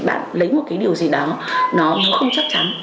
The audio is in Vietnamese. bạn lấy một cái điều gì đó nó không chắc chắn